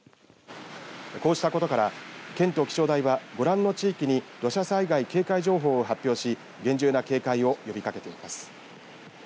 こうしたことから県と気象台は、ご覧の地域に土砂災害警戒情報を発表し厳重な警戒を呼びかけています。